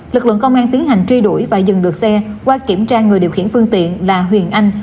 lực lượng công an tiến hành truy đuổi và dừng được xe qua kiểm tra người điều khiển phương tiện là huyền anh